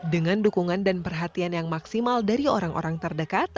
dengan dukungan dan perhatian yang maksimal dari orang orang terdekat